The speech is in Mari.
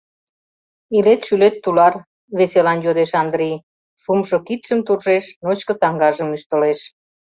— Илет-шӱлет, тулар? — веселан йодеш Андрий, шумшо кидшым туржеш, ночко саҥгажым ӱштылеш.